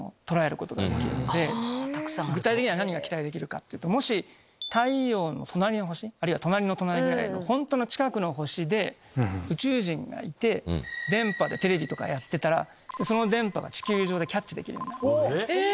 具体的には何が期待できるかっていうと太陽の隣の星あるいは隣の隣ぐらいの本当の近くの星で宇宙人がいて電波でテレビとかやってたらその電波が地球上でキャッチできるようになる。